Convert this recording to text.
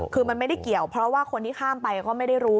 คือมันไม่ได้เกี่ยวเพราะว่าคนที่ข้ามไปก็ไม่ได้รู้